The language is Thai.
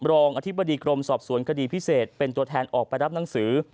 รองอธิบดีกรมสอบสวนคดีพิเศษเป็นตัวแทนออกไปรับหนังสือ